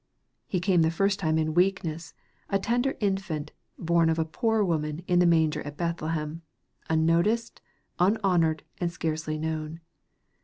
He came the first time in weakness, a tender infant, born of a poor woman in the manger at Bethle hem, unnoticed, unhonored, and scarcely known.